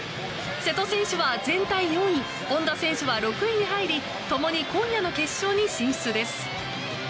瀬戸選手は全体４位本多選手は６位に入り共に今夜の決勝に進出です。